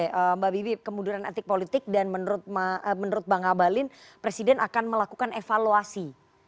oke mbak bibi kemudian etik politik dan menurut mbak ngabalin presiden akan melakukan evaluasi